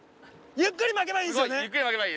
ゆっくり巻けばいいです！